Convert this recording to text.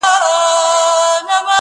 چي پيلان ساتې، دروازې به لوړي جوړوې.